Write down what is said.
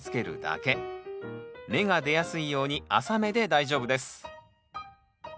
芽が出やすいように浅めで大丈夫です。